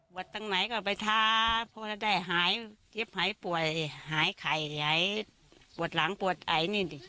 ปวดตั้งไหนก็ไปท้าเพราะจะได้เฮียบหายป่วยหายไข่หายปวดหลังปวดไอ